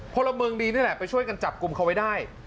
พลเมืองดีนี่แหละไปช่วยกันจับกลุ่มเขาไว้ได้